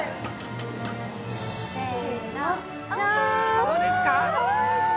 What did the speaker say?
どうですか？